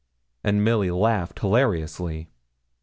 And Milly laughed hilariously.